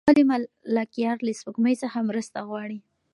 ولې ملکیار له سپوږمۍ څخه مرسته غواړي؟